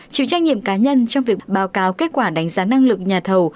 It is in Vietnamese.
chịu trách nhiệm cá nhân trong việc báo cáo kết quả đánh giá năng lực nhà thầu